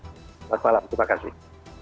selamat malam terima kasih